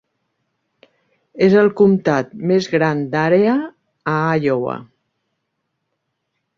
És el comtat més gran d'àrea a Iowa.